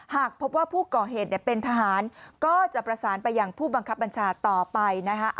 หากพบว่าผู้ก่อเหตุเป็นทหารก็จะประสานไปยังผู้บังคับบัญชาต่อไปนะคะ